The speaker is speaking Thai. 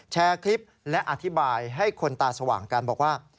แชร์คลิปและอธิบายให้คนตาสว่างกันบอกว่า